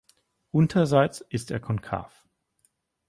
Unterseits ist er konkav.